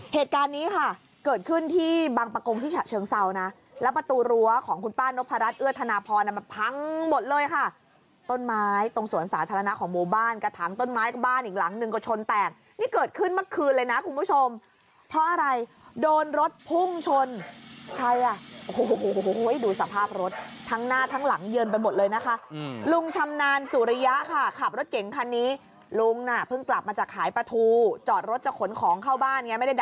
เหตุการณนี้ค่ะเกิดขึ้นที่บางประกรงที่ฉะเชิงเศร้านะแล้วประตูรั้วของคุณป้านกพระรัชเอื้อธนาพรมาพังหมดเลยค่ะต้นไม้ตรงสวรรค์สาธารณะของโมบ้านกระทั้งต้นไม้บ้านอีกหลังนึงก็ชนแตกนี่เกิดขึ้นเมื่อคืนเลยนะคุณผู้ชมเพราะ